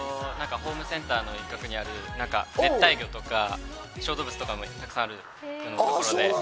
ホームセンターの一角にある熱帯魚とか小動物とかがたくさんいるところで。